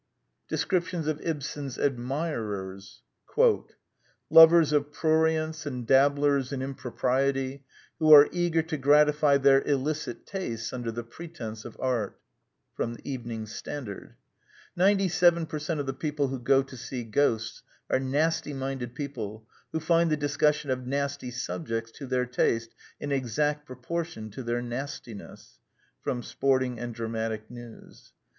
102 The Quintessence of Ibsenism Descriptions of Ibsen's Admirers *' Lovers of prurience and dabblers in impro priety who are eager to gratify their illicit tastes under the pretence of art.*' Evening Standard. " Ninety seven per cent of the people who go to see Ghosts are nasty minded people who find the discussion of nasty subjects to their taste in exact proportion to their nastiness." Sporting and Dramatic News.